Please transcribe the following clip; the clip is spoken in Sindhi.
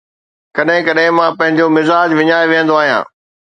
ڪڏهن ڪڏهن مان پنهنجو مزاج وڃائي ويهندو آهيان